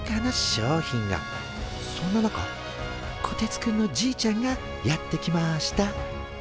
そんな中こてつくんのじいちゃんがやって来ました！